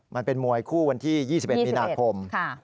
มันเป็นมวยคู่วันที่๒๑มีนาคม